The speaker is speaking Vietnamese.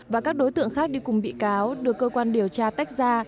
và các đối tượng khác đi cùng bị cáo được cơ quan điều tra tách ra